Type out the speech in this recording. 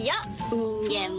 人間も。